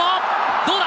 どうだ？